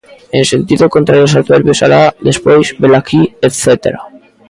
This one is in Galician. En sentido contrario, os adverbios alá, despois, velaquí etcétera.